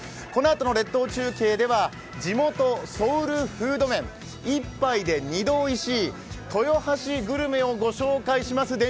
このあとの列島中継では地元ソウルフード麺、１杯で２度おいしい豊橋グルメを御紹介します。